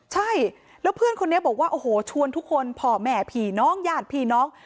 ใช่แล้วเพื่อนคนนี้บอกว่าโอ้โหชวนทุกคนพ่อแม่ผีน้องญาติพี่น้อง